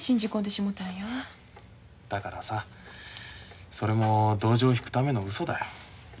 だからさそれも同情を引くためのうそだよ。